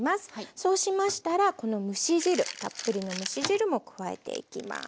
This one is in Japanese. そうしましたらこの蒸し汁たっぷりの蒸し汁も加えていきます。